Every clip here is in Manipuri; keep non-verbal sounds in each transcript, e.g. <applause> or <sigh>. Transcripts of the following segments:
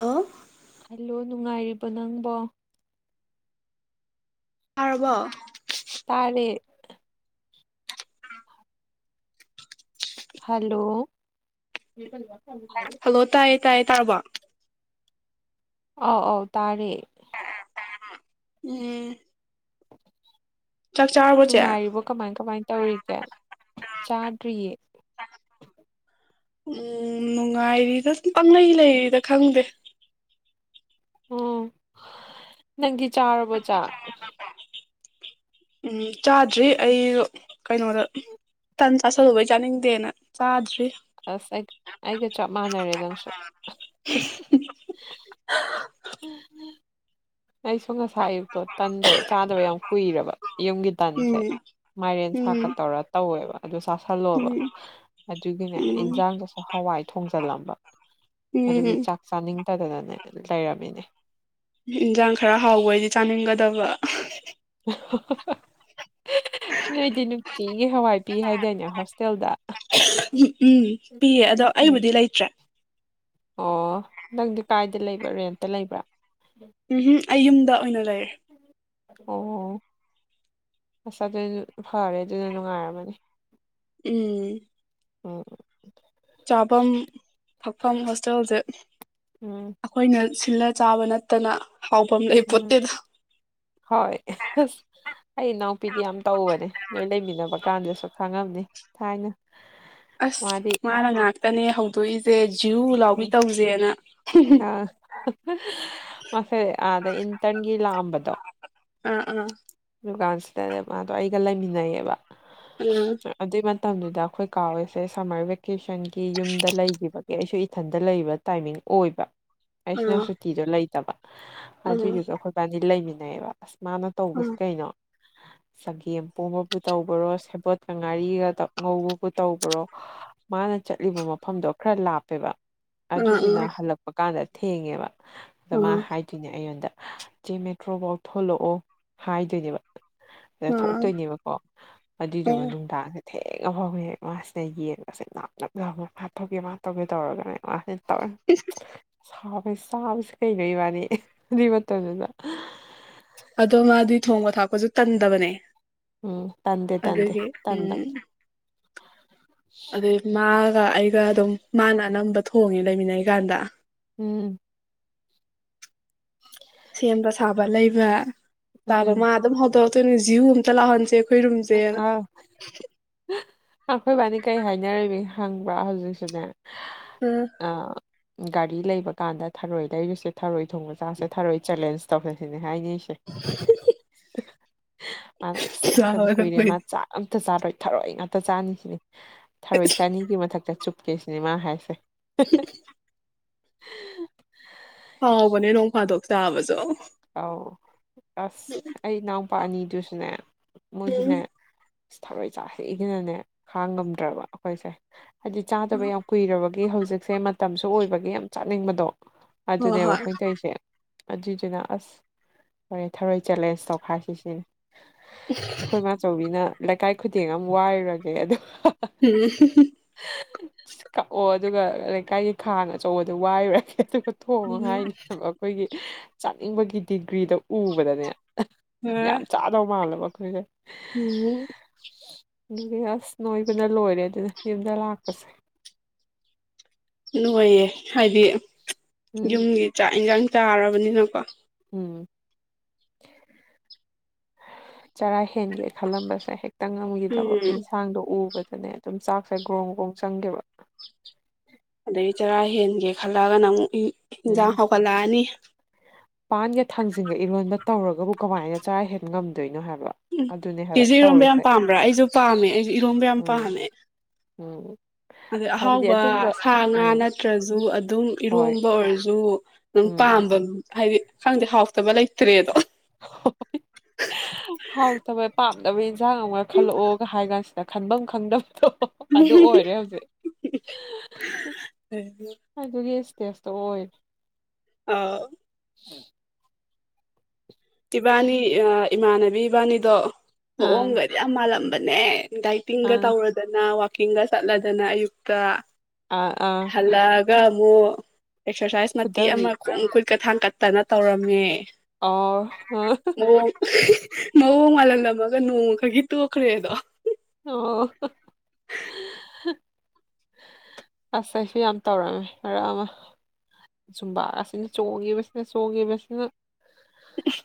ꯍꯜꯂꯣ ꯍꯜꯂꯣ ꯅꯨꯡꯉꯥꯏꯔꯤꯕ ꯅꯪꯕꯣ ꯐꯥꯔꯕꯣ ꯇꯥꯔꯦ ꯍꯜꯂꯣ <unintelligible> ꯍꯜꯂꯣ ꯇꯥꯏꯌꯦ ꯇꯥꯏꯌꯦ ꯇꯥꯔꯥꯕꯣ ꯑꯧ ꯑꯧ ꯇꯥꯔꯦ ꯎꯝ ꯆꯥꯛ ꯆꯥꯔꯕꯣ ꯆꯦ ꯅꯨꯡꯉꯥꯏꯔꯤꯕꯣ ꯀꯃꯥꯏ ꯀꯃꯥꯏ ꯇꯧꯔꯤꯒꯦ ꯆꯥꯗ꯭ꯔꯤꯌꯦ ꯎꯝ ꯅꯨꯡꯉꯥꯏꯔꯤꯗ ꯄꯥꯡꯂꯩ ꯂꯩꯔꯤꯗ ꯈꯪꯗꯦ ꯑꯣ ꯅꯪꯗꯤ ꯆꯥꯔꯕꯣ ꯆꯥꯛ ꯎꯝ ꯆꯥꯗ꯭ꯔꯤ ꯑꯩ ꯀꯩꯅꯣꯗꯥ ꯇꯟ ꯆꯥꯥꯁꯜꯂꯨꯕꯩ ꯆꯥꯅꯤꯡꯗꯦꯅꯥ ꯆꯥꯗ꯭ꯔꯤ ꯑꯁ ꯑꯩ ꯑꯩꯒꯥ ꯆꯞ ꯃꯥꯟꯅꯔꯦ ꯅꯪꯁꯨ <unintelligible> <unintelligible> ꯑꯩꯁꯨ ꯉꯁꯥꯢ ꯑꯌꯨꯛꯇꯣ ꯇꯟꯗꯣ ꯆꯥꯗꯥꯕ ꯌꯥꯝ ꯀꯨꯏꯔꯕ ꯌꯨꯝꯒꯤ ꯇꯟꯁꯦ ꯎꯝ ꯃꯥꯏꯔꯦꯟ ꯁꯥꯛꯀ ꯎꯝ ꯇꯧꯔ ꯇꯧꯋꯦꯕꯥ ꯑꯗꯨ ꯆꯥꯁꯜꯂꯣꯕ ꯎꯝ ꯑꯗꯨꯒꯤꯅꯦ ꯎꯝ ꯏꯟꯖꯥꯡꯗꯨꯁꯨ ꯍꯋꯥꯏ ꯊꯣꯡꯖꯜꯂꯝꯕ ꯎꯝꯍꯝ ꯆꯥꯅꯤꯡꯗꯥꯗꯅꯅꯦ ꯂꯩꯔꯝꯃꯤꯅꯦ ꯏꯟꯖꯥꯡ ꯈꯔ ꯍꯥꯎꯕ ꯑꯣꯢꯗꯤ ꯆꯥꯅꯤꯡꯒꯥꯗꯕ <unintelligible> ꯅꯣꯏꯗꯤ ꯅꯨꯡꯇꯤꯒꯤ ꯍꯋꯥꯏ ꯄꯤ ꯍꯥꯏꯗꯥꯏꯅꯦ ꯍꯣꯁꯇꯦꯜꯗꯥ ꯍꯤ ꯎꯝ ꯄꯤꯌꯦ ꯑꯗꯣ ꯑꯩꯕꯨꯗꯤ ꯂꯩꯇ꯭ꯔꯦ ꯑꯣ ꯅꯪꯗꯤ ꯀꯥꯏꯗ ꯂꯩꯕ꯭ꯔ ꯔꯦꯟꯇ ꯂꯩꯕ꯭ꯔꯥ ꯎꯝꯍꯝ ꯑꯩ ꯌꯨꯝꯗ ꯑꯣꯏꯅ ꯂꯩꯔꯦ ꯑꯣ ꯑꯁ <unintelligible> ꯐꯔꯦ ꯑꯗꯨꯅ ꯅꯨꯡꯉꯥꯏꯔꯝꯃꯅꯤ ꯎꯝ <unintelligible> ꯆꯥꯐꯝ ꯊꯥꯛꯐꯝ ꯍꯣꯁꯇꯦꯜꯁꯦ ꯎꯝ ꯑꯩꯈꯣꯏꯅ ꯁꯤꯜꯂꯥ ꯆꯥꯕ ꯅꯠꯇꯅ ꯍꯥꯎꯐꯝ ꯂꯩ ꯄꯣꯠꯇꯦꯗꯥ ꯍꯣꯢ ꯑꯩ ꯏꯅꯥꯎꯄꯤꯗꯤ ꯌꯥꯝ ꯇꯧꯕꯅꯦ ꯅꯣꯏ ꯂꯩꯃꯤꯟꯅꯥꯕ ꯀꯥꯟꯗꯁꯨ ꯈꯪꯉꯝꯅꯤ ꯊꯥꯏꯅꯥ ꯑꯁ ꯃꯥꯅ ꯉꯥꯛꯇꯅꯦ ꯍꯧꯗꯣꯛꯏꯁꯦ ꯖ꯭ꯌꯨ ꯂꯥꯎꯕꯤ ꯇꯧꯁꯦꯅꯥ ꯃꯁꯦ ꯑꯥꯗ ꯏꯟꯇ꯭ꯔꯟꯒꯤ ꯂꯥꯛꯑꯝꯕꯗꯣ ꯑꯥ ꯑꯥ ꯗꯨꯀꯥꯟꯁꯤꯗꯅꯦ ꯃꯥꯗꯣ ꯑꯩꯒ ꯂꯩꯃꯤꯟꯅꯩꯌꯦꯕꯥ ꯑꯗꯨꯏ ꯃꯇꯝꯗꯨꯗ ꯑꯩꯈꯣꯏ ꯀꯥꯍꯣꯏꯁꯦ ꯁꯝꯃꯔ ꯚꯦꯀꯦꯁꯟꯒꯤ ꯌꯨꯝꯗ ꯂꯩꯈꯤꯕꯒꯤ ꯑꯩꯁꯨ ꯢ ꯢꯊꯟꯗ ꯂꯩꯕ ꯇꯥꯏꯃꯤꯡ ꯑꯣꯏꯕ ꯑꯩꯁꯤꯅ ꯁꯨꯇꯤꯗꯣ ꯂꯩꯇꯕ ꯎꯝ ꯑꯗꯨꯏꯗꯨꯒ ꯑꯈꯣꯢ ꯏꯄꯥꯅꯤ ꯂꯩꯃꯤꯟꯅꯩꯌꯦꯕꯥ ꯑꯁ ꯃꯥꯅ ꯎꯝ ꯇꯧꯕꯁꯤ ꯀꯩꯅꯣ <unintelligible> ꯆꯒꯦꯝ ꯄꯣꯝꯕꯕꯨ ꯇꯧꯕꯔꯣ ꯁꯦꯕꯣꯠꯀꯥ ꯉꯥꯔꯤꯒ ꯉꯧꯕꯕꯨ ꯇꯧꯕꯔꯣ ꯃꯥꯅ ꯆꯠꯂꯤꯕ ꯃꯐꯝꯗꯣ ꯈꯔ ꯂꯥꯞꯄꯦꯕꯥ ꯎꯝ ꯎꯝ ꯎꯝ ꯑꯗꯨꯏꯗꯨꯅ ꯎꯝ ꯍꯜꯂꯛꯄ ꯀꯥꯟꯗ ꯊꯦꯡꯉꯦꯕꯥ ꯑꯗꯣ ꯃꯥ ꯍꯥꯢ ꯑꯗꯨꯏꯅꯦ ꯑꯩꯉꯣꯟꯗ ꯆꯦ ꯃꯦꯇ꯭ꯔꯣꯐꯧ ꯊꯣꯛꯂꯥꯛꯑꯣ ꯍꯥꯏꯗꯣꯏꯅꯦꯕꯥ ꯁꯤꯗ ꯎꯝ ꯎꯝ ꯊꯣꯛꯇꯣꯏꯅꯦꯕꯀꯣ ꯑꯗꯨꯏꯗꯨꯒ ꯎꯝ ꯅꯨꯡꯗꯥꯡꯁꯦ ꯊꯦꯡꯉ ꯐꯥꯎꯕ ꯃꯥꯥꯁꯤꯗ ꯌꯦꯡꯉꯁꯦ ꯃꯁꯝ ꯅꯞ ꯅꯞ ꯂꯥꯎꯔꯒ ꯍꯥꯠꯄꯤꯒ ꯇꯧꯔꯒꯅꯦ ꯃꯥꯁꯤꯅ ꯇꯧꯔ ꯁꯥꯎꯒꯩ ꯆꯥꯕꯁꯤ ꯀꯩꯅꯣ ꯏꯕꯥꯅꯤ ꯑꯗꯨꯏ ꯃꯇꯝꯗꯨꯗ ꯑꯗꯣ ꯃꯥꯗꯤ ꯊꯣꯡꯕ ꯊꯥꯛꯄꯁꯨ ꯇꯟꯗꯕꯅꯦ ꯎꯝ ꯇꯟꯗꯦ ꯇꯟꯗꯦ ꯑꯗꯒꯤ ꯎꯝ ꯇꯟꯗꯕꯅꯤ ꯑ ꯃꯥꯒ ꯑꯩꯒ ꯑꯗꯨꯝ ꯃꯥꯅ ꯑꯅꯝꯕ ꯊꯣꯡꯉꯦ ꯂꯩꯃꯤꯟꯅꯩꯀꯥꯟꯗ ꯎꯝ ꯁꯦꯝꯕ ꯁꯥꯕ ꯂꯩꯕ ꯇꯥꯕ ꯎꯝ ꯃꯥ ꯑꯗꯨꯝ ꯍꯧꯗꯣꯔꯛꯇꯣꯏꯅꯤ ꯖꯤꯌꯨ ꯑꯝꯇ ꯂꯥꯎꯍꯟꯁꯦ ꯑꯩꯈꯣꯏ ꯔꯨꯝꯁꯦꯅ ꯑꯥ ꯑꯩꯈꯣꯏꯕꯥꯏꯅꯤ ꯀꯩ ꯍꯥꯏꯅꯔꯝꯃꯤ ꯈꯪꯕ꯭ꯔꯥ ꯍꯧꯖꯤꯛꯁꯨꯅꯦ ꯎꯝ ꯒꯥꯔꯤ ꯂꯩꯕꯀꯥꯟꯗ ꯊꯔꯣꯏ ꯂꯩꯔꯨꯁꯦ ꯊꯔꯣꯏ ꯊꯣꯡꯕ ꯆꯥꯁꯦ ꯊꯔꯣꯏ ꯆꯦꯂꯦꯟꯁ ꯇꯧꯁꯤꯁꯤꯅꯦ ꯍꯥꯏꯅꯩꯁꯦ ꯃꯥꯅ ꯑꯁ ꯆꯥꯗꯕ ꯀꯨꯏꯔꯦ ꯃꯥ ꯂꯥꯎꯍꯜꯂꯛꯄꯩꯅꯦ ꯆꯥꯛ ꯑꯝꯇ ꯆꯥꯔꯣꯏ ꯊꯔꯣꯏ ꯉꯥꯛꯇ ꯆꯥꯅꯤꯁꯤꯅꯤ ꯊꯔꯣꯏ ꯆꯅꯤꯒꯤ ꯃꯊꯛꯇ ꯆꯨꯞꯀꯦꯁꯤꯅꯦ ꯃꯥ ꯍꯥꯏꯁꯦ ꯍꯥꯎꯕꯅꯦ ꯅꯣꯡ ꯐꯥꯗꯣꯛ ꯆꯥꯕꯁꯨ ꯑꯧ ꯑꯁ ꯑꯩ ꯏꯅꯥꯎꯄꯥ ꯑꯅꯤꯗꯨꯁꯨꯅꯦ ꯎꯝ ꯃꯣꯏꯁꯨꯅꯦ ꯊꯔꯣꯏ ꯆꯁꯦꯅꯅꯦ ꯈꯥꯡ ꯉꯝꯗ꯭ꯔꯕ ꯑꯩꯈꯣꯏꯁꯦ ꯍꯥꯏꯗꯤ ꯆꯥꯗꯕ ꯌꯥꯝ ꯀꯨꯏꯔꯕꯒꯤ ꯍꯧꯖꯤꯛꯁꯦ ꯃꯇꯝꯁꯨ ꯑꯣꯏꯕꯒꯤ ꯌꯥꯝ ꯆꯥꯅꯤꯡꯕꯗꯣ ꯍꯣꯏ ꯑꯗꯨꯅꯦꯕ ꯍꯣꯏ ꯑꯩꯈꯣꯏ ꯇꯧꯔꯤꯁꯦ ꯑꯗꯨꯏꯗꯨꯅ ꯑꯁ ꯐꯔꯦ ꯊꯔꯣꯏ ꯆꯦꯂꯦꯟꯖ ꯇꯧꯈꯥꯏ ꯁꯤ ꯁꯤꯅꯤ ꯑꯩꯈꯣꯏ ꯃꯥꯆꯧꯕꯤꯅ ꯂꯩꯀꯥꯏ ꯈꯨꯗꯦꯡ ꯑꯃ ꯋꯥꯔꯨꯔꯒꯦ ꯑꯗꯨ ꯎꯝ ꯀꯛꯑꯣ ꯑꯗꯨꯒ ꯂꯩꯀꯥꯏꯒꯤ ꯈꯥꯡ ꯑꯆꯧꯕꯗꯨ ꯋꯥꯏꯔꯨꯔꯒꯦ ꯑꯗꯨꯒ ꯊꯣꯡꯉꯣ ꯍꯥꯏꯅꯦ ꯈꯔ ꯑꯩꯈꯣꯏꯒꯤ ꯆꯥꯅꯤꯡꯕꯒꯤ ꯗꯤꯒ꯭ꯔꯤꯗꯣ ꯎꯕꯗꯅꯦ ꯌꯥꯝ ꯆꯥꯗꯧ ꯃꯥꯜꯂꯕ ꯑꯩꯈꯣꯏꯁꯦ ꯍꯝ ꯑꯗꯨꯒꯤ ꯑꯁ ꯅꯣꯏꯕꯅ ꯂꯣꯏꯔꯦ ꯑꯗꯨꯅ ꯌꯨꯝꯗ ꯂꯥꯛꯄꯁꯦ ꯅꯣꯏꯌꯦ ꯍꯥꯏꯗꯤ ꯎꯝ ꯌꯨꯝꯒꯤ ꯆꯥꯛ ꯏꯟꯁꯥꯡ ꯆꯥꯔꯕꯅꯤꯅꯀꯣ ꯎꯝ ꯆꯔꯥ ꯍꯦꯟꯒꯦ ꯈꯜꯂꯝꯕꯁꯦ ꯍꯦꯛꯇ ꯉꯝꯈꯤꯗꯕꯣ ꯎꯝ ꯏꯟꯁꯥꯡꯗꯣ ꯎꯕꯗꯅꯦ ꯑꯗꯨꯝ ꯆꯥꯛꯁꯦ ꯒ꯭ꯔꯣꯡ ꯒ꯭ꯔꯣꯡ ꯆꯪꯒꯤꯕ ꯑꯗꯒꯤ ꯆꯔꯥ ꯍꯦꯟꯒꯦ ꯈꯜꯂꯒꯅ ꯑꯃꯨꯛ ꯏꯟꯖꯥꯡ ꯎꯝ ꯍꯥꯎꯒꯠꯂꯛꯑꯅꯤ ꯄꯥꯟꯒ ꯊꯥꯡꯖꯤꯡꯒ ꯏꯔꯣꯟꯕ ꯇꯧꯔꯒꯕꯨ ꯀꯃꯥꯏꯅ ꯆꯥꯔꯥ ꯍꯦꯟ ꯉꯝꯗꯣꯏꯅꯣ ꯍꯥꯏꯕ ꯎꯝ ꯑꯗꯨꯅꯦ ꯍꯥꯏꯕ ꯆꯦꯁꯨ ꯏꯔꯣꯝꯕ ꯌꯥꯝ ꯇꯧꯔꯤꯁꯦ ꯄꯥꯝꯕ꯭ꯔꯥ ꯑꯩꯁꯨ ꯄꯥꯝꯃꯦ ꯑꯩꯁꯨ ꯏꯔꯣꯝꯕ ꯌꯥꯝ ꯎꯝ ꯄꯥꯝꯃꯦ ꯎꯝ ꯑꯗꯩ ꯍꯥꯏꯕꯗꯤ ꯑꯍꯥꯎꯕ ꯑꯗꯨꯝꯕ ꯁꯥ ꯉꯥ ꯎꯝ ꯅꯠꯇ꯭ꯔꯦ ꯅꯠꯇ꯭ꯔꯁꯨ ꯑꯗꯨꯝ ꯍꯣꯏ ꯏꯔꯣꯝꯕ ꯑꯣꯏꯔꯁꯨ ꯑꯗꯨꯝ ꯎꯝ ꯄꯥꯝꯕ ꯍꯥꯏꯗꯤ ꯈꯪꯗꯦ ꯍꯥꯎꯇꯕ ꯂꯩꯇ꯭ꯔꯦꯗꯣ ꯍꯣꯏ ꯍꯥꯎꯇꯕ ꯄꯥꯝꯗꯕ ꯏꯟꯁꯥꯡ ꯑꯃꯒ ꯈꯜꯂꯛꯑꯣ ꯀꯥꯥꯏ ꯍꯥꯏ ꯀꯥꯟꯁꯤꯗ ꯈꯟꯐꯝ ꯈꯪꯗꯕꯗꯣ ꯑꯗꯨ ꯑꯣꯏꯔꯦ ꯍꯧꯖꯤꯛ ꯑꯗꯨꯒꯤ ꯏꯁꯇꯦꯖꯇꯣ ꯑꯣꯏꯔꯦ ꯑ ꯎꯝ ꯏꯕꯥꯅꯤ ꯏꯃꯥꯟꯅꯕꯤ ꯏꯕꯥꯅꯤꯗꯣ ꯑꯪ ꯃꯑꯣꯡꯒꯗꯤ ꯌꯥꯝ ꯃꯥꯜꯂꯝꯕꯅꯦ ꯗꯥꯏ ꯇꯤꯡꯒ ꯑꯪ ꯇꯧꯔꯗꯅ ꯋꯥꯛꯀꯤꯡꯒ ꯆꯠꯂꯗꯅ ꯑꯌꯨꯛꯇ ꯑꯥ ꯑꯥ ꯍꯜꯂꯛ ꯒ ꯑꯃꯨꯛ ꯑꯦꯛꯁꯔꯁꯥꯏꯁ ꯃꯇꯦꯛ ꯐꯨꯗꯕꯤ ꯑꯃ ꯈꯣꯡ ꯈꯨꯨꯠꯀ ꯊꯥꯡꯀꯠꯇꯅ ꯇꯧꯔꯝꯃꯦ ꯑꯣ ꯃꯑꯣꯡ ꯃꯑꯣꯡ ꯃꯥꯜꯍꯜꯂꯝꯃꯒ ꯅꯣꯡꯃ ꯈꯛꯒꯤ ꯇꯣꯛꯈ꯭ꯔꯦꯗꯣ ꯑꯣ ꯑꯁ ꯑꯩꯁꯨ ꯌꯥꯝ ꯇꯧꯔꯝꯃꯦ ꯃꯔꯛ ꯑꯃ ꯖꯨꯝꯕꯒꯁꯤꯅ ꯆꯣꯡꯉꯤꯕꯁꯤꯅ ꯆꯣꯡꯉꯤꯕꯁꯤꯅ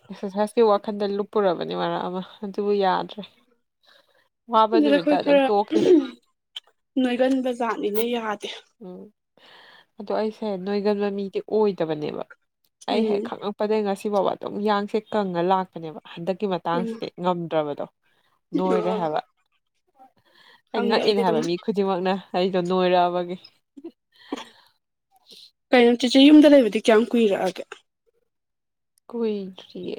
ꯑꯦꯛꯁꯔꯁꯥꯏꯁ ꯁꯤ ꯋꯥꯈꯟꯗ ꯂꯨꯞꯄꯨꯔꯕꯅꯤ ꯃꯔꯛ ꯑꯃ ꯑꯗꯨꯕꯨ ꯌꯥꯗ꯭ꯔꯦ ꯋꯥꯕ ꯑꯗꯨꯗ ꯅꯨꯃꯤꯠꯇ ꯑꯩꯈꯣꯏ ꯑꯗꯨꯝ ꯈꯔ ꯇꯣꯛꯈꯤ ꯅꯣꯏꯒꯟꯕ ꯖꯥꯠꯅꯤꯅ ꯌꯥꯗꯦ ꯎꯝ ꯑꯗꯣ ꯑꯩꯁꯦ ꯅꯣꯏꯒꯟꯕ ꯃꯤꯗꯤ ꯑꯣꯏꯗꯕꯅꯦꯕ ꯑꯩ ꯍꯦꯛ ꯎꯝ ꯈꯪꯉꯛ ꯄꯗꯩ ꯉꯁꯤꯐꯥꯎꯕ ꯑꯗꯨꯝ ꯌꯥꯡꯁꯦ ꯀꯪꯉ ꯂꯥꯛꯄꯅꯦꯕ ꯍꯟꯗꯛꯀꯤ ꯎꯝ ꯃꯇꯥꯡꯁꯤꯗꯤ ꯉꯝꯗ꯭ꯔꯕꯗꯣ ꯅꯣꯏꯔꯦ ꯑꯣ ꯍꯥꯏꯕ ꯑꯩ ꯈꯪꯗꯦ ꯉꯛꯏꯅꯦ ꯑꯩꯗꯤ ꯍꯥꯏꯕ ꯑꯗꯨꯝ ꯃꯤ ꯈꯨ ꯗꯤꯡꯃꯛꯅ ꯑꯩꯗꯣ ꯅꯣꯏꯔꯛꯑꯕꯒꯤ ꯀꯩꯅꯣ ꯆꯦꯆꯦ ꯌꯨꯝꯗ ꯂꯩꯕꯗꯤ ꯀꯌꯥꯝ ꯀꯨꯏꯔꯛꯑꯒꯦ ꯀꯨꯏꯗ꯭ꯔꯤꯌꯦ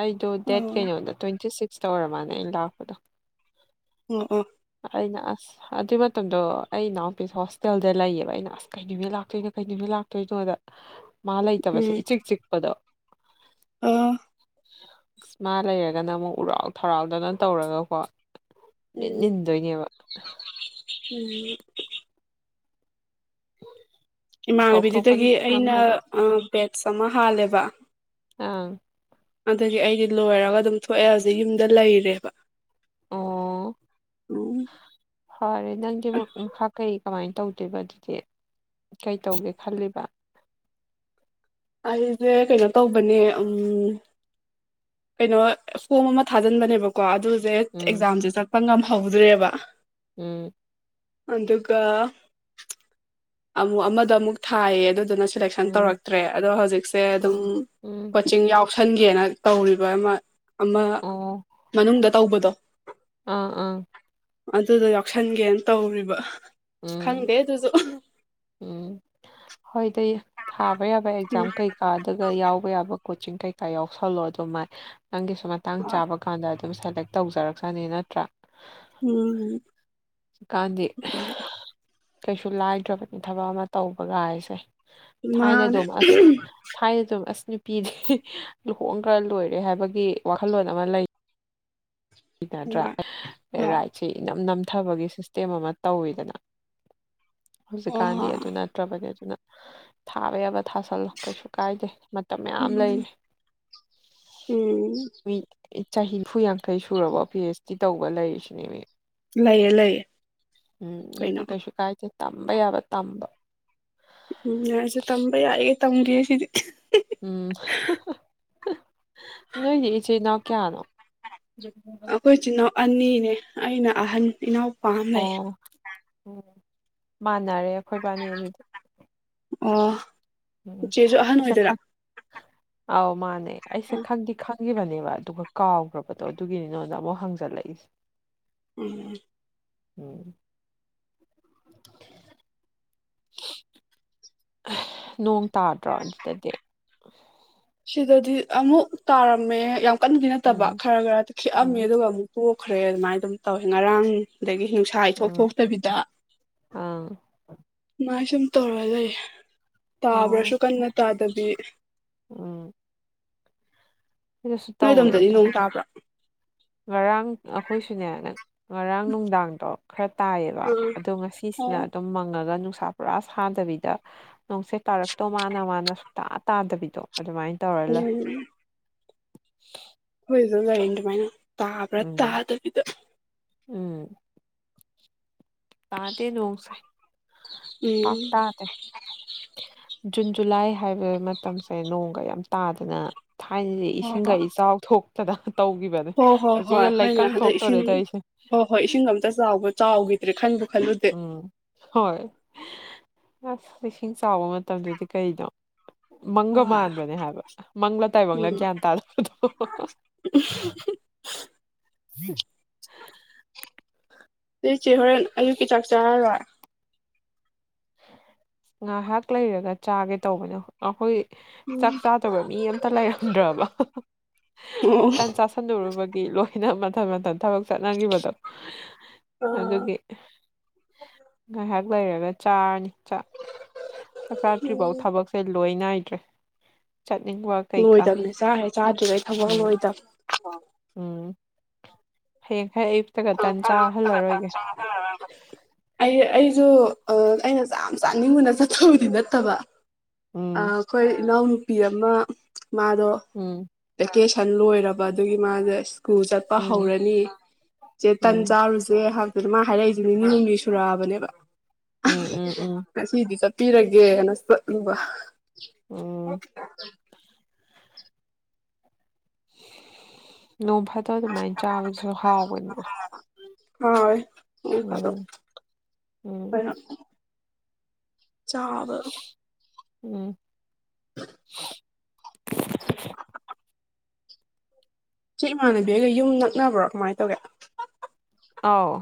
ꯑꯩꯗꯣ ꯗꯦꯠ ꯑꯣ ꯀꯩꯅꯣꯗ ꯇꯣꯏꯟꯇꯤ ꯁꯤꯛꯁ ꯇ ꯑꯣꯏꯔ ꯃꯥꯜꯅꯦ ꯑꯩꯅ ꯂꯥꯛꯄꯗꯣ ꯎꯝ ꯑꯣ ꯑꯩꯅ ꯑꯁ ꯑꯗꯨꯏ ꯃꯇꯝꯗꯣ ꯑꯩ ꯏꯅꯥꯎꯄꯤ ꯍꯣꯁꯇꯦꯜꯗ ꯂꯩꯌꯦꯕ ꯑꯩꯅ ꯑꯁ ꯀꯩ ꯅꯨꯃꯤꯠ ꯂꯥꯛꯇꯣꯏꯅꯣ ꯀꯩ ꯅꯨꯃꯤꯠ ꯂꯥꯛꯇꯣꯏꯅꯣꯗ ꯃꯥ ꯂꯩꯇꯕꯁꯦ ꯏꯆꯤꯛ ꯆꯤꯛꯄꯗꯣ ꯑꯥ ꯑꯁ ꯃꯥ ꯂꯩꯔꯒꯅ ꯑꯃꯨꯛ ꯎꯔꯥꯎ ꯊꯔꯥꯎꯗꯅ ꯇꯧꯔꯒꯀꯣ ꯎꯝ ꯃꯤꯠꯅꯤꯟꯗꯣꯏꯅꯦꯕ ꯎꯝ ꯀꯧꯊꯣꯛꯀꯅꯤ ꯏꯃꯥꯟꯅꯕꯤꯗꯨꯗꯒꯤ ꯑꯩꯅ ꯅꯝꯗꯅ ꯑ ꯕꯦꯠꯁ ꯑꯃ ꯍꯥꯜꯂꯦꯕ ꯑꯥ ꯑꯗꯨꯒꯤ ꯑꯩꯗꯤ ꯂꯣꯏꯔꯒ ꯑꯗꯨꯝ ꯊꯣꯛꯑꯦ ꯍꯧꯖꯤꯛ ꯌꯨꯝꯗ ꯂꯩꯔꯦꯕ <unintelligible> ꯐꯥꯔꯦ ꯅꯪꯗꯤ ꯃꯛ ꯃꯈꯥ ꯀꯩ ꯀꯃꯥꯏꯟ ꯇꯧꯗꯣꯏꯕ ꯑꯗꯨꯗꯤ ꯀꯩ ꯇꯧꯒꯦ ꯈꯜꯂꯤꯕ ꯑꯩꯖꯦ ꯀꯩꯅꯣ ꯇꯧꯕꯅꯦ ꯎꯝ ꯀꯩꯅꯣ ꯐꯣꯝ ꯑꯃ ꯊꯥꯖꯤꯟꯕꯅꯦꯕꯀꯣ ꯑꯗꯨꯖꯦ ꯎꯝ ꯑꯦꯛꯖꯥꯝꯁꯦ ꯆꯠꯄ ꯉꯝꯍꯧꯗ꯭ꯔꯦꯕ ꯎꯝ ꯑꯗꯨꯒ ꯑꯃꯨꯛ ꯑꯃꯗ ꯑꯃꯨꯛ ꯊꯥꯏꯌꯦ ꯑꯗꯨꯗꯨꯅ ꯁꯦꯂꯦꯛꯁꯟ ꯎꯝ ꯇꯧꯔꯛꯇ꯭ꯔꯦ ꯑꯗꯣ ꯍꯧꯖꯤꯛꯁꯦ ꯑꯗꯨꯝ ꯎꯝ ꯎꯝ ꯀꯣꯆꯤꯡ ꯌꯥꯎꯁꯟꯒꯦꯅ ꯇꯧꯔꯤ ꯕ ꯑꯃ ꯑꯃ ꯑꯣ ꯃꯅꯨꯡꯗ ꯇꯧꯕꯗꯣ ꯑꯥ ꯑꯥ ꯑꯗꯨꯗꯣ ꯌꯥꯎꯁꯟꯒꯦꯟ ꯇꯧꯔꯤꯕ ꯎꯝ ꯈꯪꯗꯦ ꯑꯗꯨꯖꯨ ꯎꯝ ꯍꯣꯏꯗꯩ ꯊꯥꯕ ꯌꯥꯕ ꯎꯝ ꯑꯦꯛꯖꯥꯝ ꯀꯩ ꯀꯥ ꯑꯗꯨꯒ ꯌꯥꯎꯕ ꯌꯥꯕ ꯀꯣꯆꯤꯡ ꯀꯩꯀꯥ ꯌꯥꯎꯁꯜꯂꯣ ꯑꯗꯨꯃꯥꯏ ꯅꯪꯒꯤꯁꯨ ꯃꯇꯥꯡ ꯆꯥꯕ ꯀꯥꯟꯗ ꯑꯗꯨꯝ ꯁꯂꯦꯛ ꯇꯧꯖꯔꯛꯁꯅꯤ ꯅꯠꯇ꯭ꯔꯥ ꯎꯝ ꯍꯧꯖꯤꯛꯀꯥꯟꯗꯤ ꯀꯩꯁꯨ ꯂꯥꯏꯗ꯭ꯔꯕꯅꯤ ꯊꯕꯛ ꯑꯃ ꯇꯧꯕ ꯒꯥꯏꯁꯦ ꯃꯥꯅꯦ ꯊꯥꯏꯅꯗꯨꯝ ꯑꯁ ꯅꯨꯄꯤꯗꯤ ꯂꯨꯍꯣꯡꯒ꯭ꯔ ꯂꯣꯏꯔꯦ ꯍꯥꯏꯕꯒꯤ ꯋꯥꯈꯜꯂꯣꯟ ꯑꯃ ꯂꯩ ꯀꯤꯅꯗ꯭ꯔꯥ ꯑ ꯑꯣ ꯔꯥꯏꯠꯁꯤ ꯏꯅꯝ ꯅꯝꯊꯕꯒꯤ ꯁꯤꯁꯇꯦꯝ ꯑꯃ ꯇꯧꯋꯤꯗꯅ ꯍꯧꯖꯤꯛꯀꯥꯟꯗꯤ ꯍ ꯑꯗꯨ ꯅꯠꯇ꯭ꯔꯕꯅꯦ ꯑꯗꯨꯅ ꯊꯥꯕ ꯌꯥꯕ ꯊꯥꯖꯜꯂꯣ ꯀꯩꯁꯨ ꯀꯥꯏꯗꯦ ꯃꯇꯝ ꯃꯌꯥꯝ ꯎꯝ ꯂꯩꯔꯤ ꯎꯝ ꯃꯤ ꯆꯍꯤ ꯅꯤꯐꯨ ꯌꯥꯡꯈꯩ ꯁꯨꯔꯕꯥꯎ ꯄꯤ ꯍꯥꯆ ꯗꯤ ꯇꯧꯕ ꯂꯩꯔꯤꯁꯤꯅꯦꯃꯤ ꯂꯩꯌꯦ ꯂꯩꯌꯦ ꯎꯝ ꯑꯗꯨꯗ ꯀꯩꯅꯣ ꯀꯩꯁꯨ ꯀꯥꯏꯗꯦ ꯇꯝꯕ ꯌꯥꯕ ꯇꯝꯕ꯫ ꯎꯝ ꯌꯥꯁꯨ ꯇꯝꯕ ꯌꯥꯔꯤꯒꯩ ꯇꯝꯒꯦ ꯁꯤꯗꯤ꯫ ꯎꯝ ꯅꯣꯏꯗꯤ ꯏꯆꯤꯜ ꯏꯅꯥꯎ ꯀꯌꯥꯅꯣ? ꯑꯈꯣꯏ ꯏꯆꯤꯜ ꯏꯅꯥꯎ ꯑꯅꯤꯅꯦ ꯑꯩꯅ ꯑꯍꯟ ꯏꯅꯥꯎ ꯑꯣ ꯎꯝ ꯃꯥꯟꯅꯔꯦ ꯑꯈꯣꯏ ꯕꯥꯅꯤ ꯑꯗꯨꯗꯤ꯫ ꯑꯣ ꯎꯝ ꯏꯆꯦꯁꯨ ꯑꯍꯟ ꯑꯩꯁꯦ ꯑꯣꯏꯗꯣꯏꯔꯥ ꯈꯪ ꯑꯥꯎ ꯃꯥꯅꯦ ꯑꯩꯁꯦ ꯈꯪꯗꯤ ꯈꯪ ꯈꯪꯈꯤꯕꯅꯦꯕ ꯑꯗꯨꯒ ꯀꯥꯎꯈ꯭ꯔꯕꯗꯣ ꯑꯗꯨꯒꯤꯅꯤ ꯅꯪꯉꯣꯟꯗ ꯑꯃꯨꯛ ꯍꯪꯖꯜꯂꯛꯏꯁꯦ꯫ ꯎꯝ ꯎꯝ ꯅꯣꯡ ꯇꯥꯗ꯭ꯔꯣ ꯑꯗꯨꯗꯗꯤ꯫ ꯁꯤꯗꯗꯤ ꯑꯃꯨꯛ ꯇꯥꯔꯝꯃꯦ ꯌꯥꯝ ꯀꯟꯗꯤ ꯅꯠꯇꯕ ꯎꯝ ꯈꯔ ꯈꯔꯗꯤ ꯈꯤꯛꯑꯝꯃꯦ ꯎꯝ ꯑꯗꯨꯒ ꯑꯃꯨꯛ ꯄꯣꯛꯈ꯭ꯔꯦ ꯑꯗꯨꯃꯥꯏꯅ ꯑꯗꯨꯝ ꯇꯧꯋꯦ ꯉꯔꯥꯡ ꯑꯗꯒꯤ ꯍꯤꯡꯁꯥ ꯏꯊꯣꯛ ꯎꯝ ꯊꯣꯛꯇꯕꯤꯗ ꯑꯪ ꯃꯥꯥꯏ ꯁꯨꯝ ꯇꯧꯔ ꯂꯩꯔꯦ ꯇꯥꯕ꯭ꯔꯁꯨ ꯑꯣ ꯀꯟꯅ ꯇꯥꯗꯕꯤ꯫ ꯎꯝ ꯁꯤꯗꯁꯨ ꯅꯣꯏ ꯇꯧꯋꯦ ꯗꯣꯝꯗꯗꯤ ꯑꯗꯣ ꯅꯣꯡ ꯇꯥꯕ꯭ꯔꯥ꯫ ꯉꯔꯥꯡ ꯑꯈꯣꯏꯁꯨꯅꯦ ꯉꯔꯥꯡ ꯅꯨꯡꯗꯥꯡꯗꯣ ꯈꯔ ꯇꯥꯏꯌꯦꯕ ꯑꯥ ꯑꯗꯣ ꯉꯁꯤꯁꯤꯅ ꯑꯣ ꯑꯗꯨꯝ ꯃꯪꯉꯒ ꯅꯨꯡꯁꯥ ꯄꯨꯔꯥ ꯁꯥꯗꯕꯤꯗ ꯅꯣꯡꯁꯦ ꯇꯥꯔꯛꯇꯧ ꯃꯥꯅ ꯃꯥꯅ ꯁꯨꯛꯇꯥ ꯇꯥꯗꯕꯤꯗꯣ ꯑꯗꯨꯃꯥꯏꯅ ꯇꯧꯔ ꯂꯩ ꯎꯝ ꯑꯩꯈꯣꯏꯗꯨꯗ ꯂꯩꯔꯤꯅꯦ ꯑꯗꯨꯃꯥꯏꯅ ꯇꯥꯕ꯭ꯔꯥ ꯎꯝ ꯇꯥꯗꯕꯤꯗ꯫ ꯎꯝ ꯇꯥꯗꯦ ꯅꯣꯡꯁꯦ ꯄꯥꯛ ꯎꯝ ꯇꯥꯗꯦ꯫ ꯖꯨꯟ ꯖꯨꯂꯥꯏ ꯍꯥꯏꯕ ꯃꯇꯝꯁꯦ ꯅꯣꯡꯒ ꯌꯥꯝ ꯇꯥꯗꯅ ꯊꯥꯏꯅꯗꯤ ꯍꯣꯏ ꯏꯁꯤꯡꯒ ꯍꯣꯏ ꯏꯆꯥꯎ ꯊꯣꯛꯇꯅ ꯇꯧꯈꯤꯕꯅꯦ ꯍꯣꯏ ꯍꯣꯏ ꯍꯧꯖꯤꯛꯅ ꯍꯣꯏ ꯍꯣꯏꯅꯦ ꯂꯩꯀꯪ ꯍꯟꯗꯛ ꯊꯣꯛꯇꯣꯔꯦ ꯏꯁꯤꯡ ꯇꯧꯔꯤꯁꯦ꯫ ꯍꯣꯏ ꯍꯣꯏ ꯏꯁꯤꯡ ꯑꯝꯇ ꯆꯥꯎꯕ ꯆꯥꯎꯈꯤꯗ꯭ꯔꯦ ꯈꯟꯕꯨ ꯈꯜꯂꯨꯗꯦ꯫ ꯎꯝ ꯍꯣꯏ ꯑꯁ ꯏꯁꯤꯡ ꯆꯥꯎꯕ ꯃꯇꯝꯗꯨꯗꯤ ꯀꯅꯣ꯫ ꯃꯪꯒ ꯍꯣꯏ ꯃꯥꯟꯕꯅꯦ ꯍꯥꯏꯕ ꯃꯪꯂ ꯇꯥꯏꯕꯪꯂ ꯎꯝ ꯒ꯭ꯌꯥꯟ ꯇꯥꯗꯕꯗꯣ꯫ ꯍ <unintelligible> ꯅꯣꯏꯆꯦ ꯍꯣꯔꯦꯟ ꯑꯌꯨꯛꯀꯤ ꯆꯥꯛ ꯆꯥꯔꯔꯣꯏ꯫ ꯉꯥꯏꯍꯥꯛ ꯂꯩꯔꯒ ꯆꯥꯒꯦ ꯇꯧꯕꯅꯦ ꯍꯣꯏ꯫ ꯑꯈꯣꯏ ꯆꯥꯛ ꯆꯥꯗꯕ ꯃꯤ ꯑꯃꯇ ꯂꯩꯔꯝꯗ꯭ꯔꯕ ꯎꯝ ꯇꯟ ꯆꯁꯜ ꯁꯟꯔꯨꯕꯒꯤ ꯂꯣꯏꯅ ꯃꯊꯟ ꯃꯊꯟ꯫ ꯊꯕꯛ ꯆꯠꯅꯈꯤꯕꯗꯣ ꯑꯣ ꯑꯗꯨꯒꯤ ꯉꯥꯏꯍꯥꯛ ꯂꯩꯔꯒ ꯆꯥꯔꯅꯤ ꯆꯥꯛ ꯆꯥꯗ꯭ꯔꯤꯐꯥꯎ ꯊꯕꯛ ꯂꯣꯏ ꯅꯥꯏꯗ꯭ꯔꯦ ꯆꯠꯅꯤꯡꯕ꯫ ꯀꯩꯀꯥ ꯂꯣꯏꯗꯕꯅꯦ ꯆꯥꯛ ꯍꯦꯛ ꯆꯥꯗ꯭ꯔꯤꯉꯩ ꯊꯕꯛ ꯎꯝ ꯂꯣꯏꯗꯕ꯫ ꯎꯝ ꯍꯌꯦꯡꯈꯩ ꯑꯌꯨꯛꯇꯒ ꯇꯥꯟ ꯆꯥꯍꯜꯂꯔꯣꯏꯒꯦ꯫ ꯑꯥ ꯑ ꯑꯩ ꯑꯩꯁꯨ ꯑ ꯑꯩꯅ ꯆꯥꯛ ꯌꯥꯝ ꯆꯥꯅꯤꯡꯕꯅ ꯆꯠꯊꯕꯗꯤ ꯅꯠꯇꯕ ꯑ ꯎꯝ ꯑꯈꯣꯏ ꯏꯅꯥꯎꯅꯨꯄꯤ ꯑꯃ ꯃꯥꯗꯣ ꯎꯝ ꯚꯦꯀꯦꯁꯟ ꯂꯣꯏꯔꯕ ꯑꯗꯨꯒꯤ ꯃꯥꯖꯦ ꯁ꯭ꯀꯨꯜ ꯆꯠꯄ ꯎꯝ ꯍꯧꯔꯅꯤ ꯆꯦ ꯇꯟ ꯎꯝ ꯆꯥꯔꯨꯁꯦ ꯍꯥꯏꯕꯗꯨꯗ ꯃꯥ ꯍꯥꯏꯔꯛꯏꯁꯦ ꯅꯤꯅꯤ ꯍꯨꯝꯅꯤ ꯁꯨꯔꯛꯑꯕꯅꯦꯕ ꯎꯝ ꯎꯝ ꯎꯝ ꯉꯁꯤꯗꯤ ꯆꯠꯄꯤꯔꯒꯦꯅ ꯆꯠꯂꯨꯕ ꯎꯝ <unintelligible> ꯅꯣꯡ ꯐꯥꯗꯣꯛ ꯑꯗꯨꯃꯥꯏꯟ ꯆꯥꯕꯗꯨꯁꯨ ꯍꯥꯎꯕꯅꯤꯅ ꯍꯥꯎꯋꯦ ꯅꯣꯡ ꯐꯥꯗꯣꯛ ꯎꯝ ꯎꯝ ꯆꯥꯎꯕ ꯎꯝ <unintelligible> <unintelligible> ꯆꯦ ꯏꯃꯥꯟꯅꯕꯤ ꯈꯣꯏꯒ ꯌꯨꯝ ꯅꯛꯅꯕ꯭ꯔꯣ ꯀꯃꯥꯏꯅ ꯇꯧꯒꯦ ꯑꯥꯎ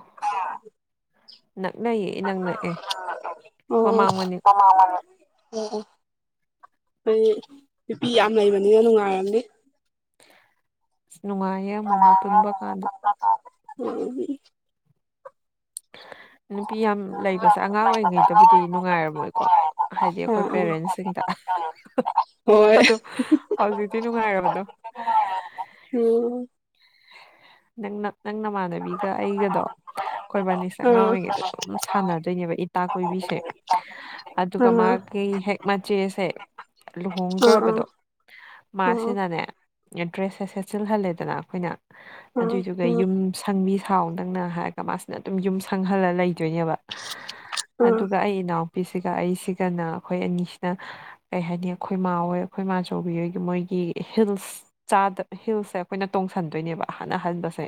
ꯅꯛꯅꯩꯌꯦ ꯏꯅꯛ ꯅꯛꯑꯦ ꯃꯃꯥꯡ ꯃꯅꯤꯡ <unintelligible> ꯑꯣ ꯑꯣ ꯅꯨꯄꯤ ꯌꯥꯝ ꯂꯩꯕꯅꯤꯅ ꯅꯨꯡꯉꯥꯏꯔꯝꯅꯤ ꯑꯁ ꯅꯨꯡꯉꯥꯏ <unintelligible> ꯅꯨꯄꯤ ꯌꯥꯝ ꯂꯩꯕꯁꯦ ꯑꯉꯥꯡ ꯑꯣꯏꯔꯤꯉꯩꯗꯕꯨꯗꯤ ꯅꯨꯡꯉꯥꯏꯔꯝꯃꯣꯏꯀꯣ ꯍꯥꯏꯗꯤ ꯑꯩꯈꯣꯏ ꯑꯥ ꯑꯥ ꯄꯦꯔꯦꯟꯁꯁꯤꯡꯗ ꯍꯣꯏ ꯑꯗꯣ ꯍꯧꯖꯤꯛꯇꯤ ꯅꯨꯡꯉꯥꯏꯔꯕꯗꯣ ꯎꯝ ꯅꯪꯅ ꯅꯪ ꯅꯃꯥꯟꯅꯕꯤꯒ ꯑꯩꯒꯗꯣ ꯑꯩꯈꯣꯏ ꯕꯥꯅꯤꯁꯦ ꯑꯥ ꯑꯉꯥꯡ ꯑꯥ ꯑꯣꯏꯔꯤꯉꯩꯗ ꯑꯗꯨꯝ ꯁꯥꯟꯅꯗꯣꯏꯅꯦꯕ ꯏꯇꯥ ꯑꯥ ꯑꯥ ꯀꯣꯏꯕꯤꯁꯦ ꯑꯥ ꯑꯗꯨꯒ ꯑꯥ ꯑꯥ ꯑꯥ ꯃꯥꯒꯤ ꯍꯦꯛ ꯃꯆꯦꯁꯦ ꯍꯣꯏ ꯂꯨꯍꯣꯡꯈ꯭ꯔꯕꯗꯣ ꯃꯥꯁꯤꯅꯅꯦ ꯗ꯭ꯔꯦꯁꯁꯦ ꯁꯦꯠꯆꯤꯜꯍꯜꯂꯦꯗꯅ ꯑꯩꯈꯣꯏꯅ ꯑꯗꯨꯏꯗꯨꯒ ꯌꯨꯝ ꯁꯪꯕꯤ ꯁꯥꯎ ꯅꯪꯅ ꯍꯥꯏꯔꯒ ꯃꯥꯁꯤꯅ ꯑꯗꯨꯝ ꯌꯨꯝ ꯁꯪꯍꯜꯂ ꯂꯩꯗꯣꯏꯅꯦꯕ ꯑꯗꯨꯒ ꯑꯩ ꯏꯅꯥꯎꯄꯤꯁꯤꯒ ꯑꯩꯁꯤꯒꯅ ꯑꯩꯈꯣꯏ ꯑꯅꯤꯁꯤꯅ ꯀꯩ ꯍꯥꯏꯅꯤ ꯑꯩꯈꯣꯏ ꯃꯥꯍꯣꯏ ꯑꯩꯈꯣꯏ ꯃꯥꯆꯧꯕꯤ ꯃꯣꯏꯒꯤ ꯍꯤꯜꯁ ꯆꯥꯗꯕ ꯍꯤꯜꯁꯦ ꯑꯩꯈꯣꯏꯅ ꯇꯣꯡꯁꯟꯗꯣꯏꯅꯦꯕ ꯑꯍꯥꯟ ꯑꯍꯟꯕꯁꯦ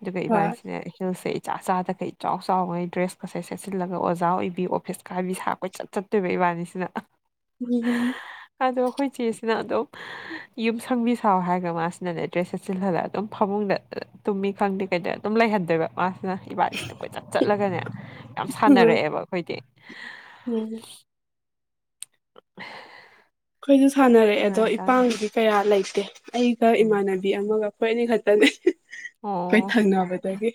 ꯑꯗꯨꯒ ꯏꯕꯥꯅꯤꯁꯤꯅ ꯍꯤꯜꯁꯦ ꯏꯆꯥ ꯆꯥꯗꯒꯩ ꯏꯆꯥꯎ ꯆꯥꯎꯉꯩ ꯗ꯭ꯔꯦꯁꯀꯁꯦ ꯁꯦꯠꯆꯤꯜꯂꯒ ꯑꯣꯖꯥ ꯑꯣꯏꯕꯤ ꯑꯣꯐꯤꯁ ꯀꯥꯕꯤ ꯁꯥ ꯀꯣꯏꯆꯠ ꯆꯠ ꯆꯠ ꯇꯣꯏꯕ ꯏꯕꯥꯅꯤꯁꯤꯅ ꯎꯝ ꯎꯝ ꯑꯗꯣ ꯑꯩꯈꯣꯏ ꯆꯦꯁꯤꯅ ꯑꯗꯨꯝ ꯌꯨꯝ ꯁꯪꯕꯤ ꯁꯥꯎ ꯍꯥꯏꯔꯒ ꯃꯥꯁꯤꯅꯅꯦ ꯗ꯭ꯔꯦꯁ ꯁꯦꯠꯆꯤꯜꯍꯜꯂꯛꯑꯦ ꯑꯗꯨꯝ ꯐꯃꯨꯡꯗ ꯇꯨꯝꯃꯤ ꯈꯪꯗꯦ ꯀꯩꯗ ꯑꯗꯨꯝ ꯂꯩꯍꯟꯗꯣꯏꯕ ꯃꯥꯟ ꯑꯗꯨꯅ ꯏꯕꯥꯅꯤꯁꯤꯅ ꯀꯣꯏꯆꯠ ꯆꯠꯂꯒꯅꯦ ꯌꯥꯝ ꯎꯝ ꯁꯥꯟꯅꯔꯛꯑꯦꯕ ꯑꯩꯈꯣꯏꯗꯤ ꯎꯝ ꯑꯩꯈꯣꯏꯁꯨ ꯁꯥꯟꯅꯔꯛꯑꯦ ꯑꯗꯣ ꯅꯨꯡꯉꯥꯏꯖꯥꯠꯅꯦ ꯏꯄꯥꯥꯝꯒꯤꯗꯤ ꯀꯌꯥ ꯂꯩꯇꯦ ꯑꯩꯒ ꯎꯝ ꯏꯃꯥꯟꯅꯕꯤ ꯕꯤ ꯑꯃꯒ ꯑꯩꯈꯣꯏ ꯑꯅꯤ ꯈꯛꯇꯅꯤ ꯑꯩꯈꯣꯏ ꯑꯣ ꯊꯪꯅꯕꯗꯒꯤ